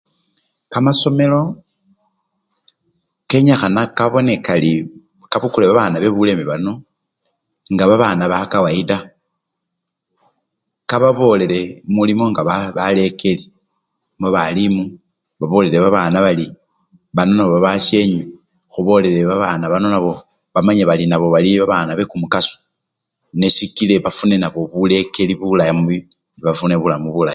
Kamasomelo kenyikhana kabone karii kabukule babana bebuleme bano nga babana bakawayida, kababolele mulimo nga ba! balekeli, babalimu babolele babana bari bano nabo babasyenywe, khubolile babana bano nabo bamanye bari nabo bali babana bekumukaso nesikile bafune nabo bulekeli bulayi mubi! bafune bulamu bulayi.